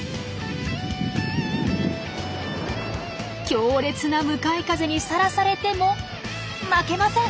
強烈な向かい風にさらされても負けません！